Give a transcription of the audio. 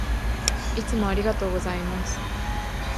いつもありがとうございます。